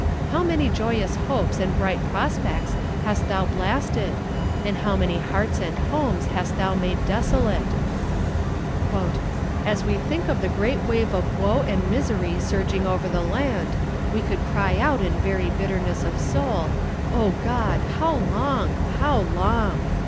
How many joyous hopes and bright prospects hast thou blasted; and how many hearts and homes hast thou made desolate! "As we think of the great wave of woe and misery surging over the land, we could cry out in very bitterness of soul Oh God! how long, how long!"